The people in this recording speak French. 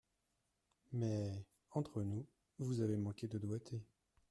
Mais, entre nous, vous avez manqué de doigté.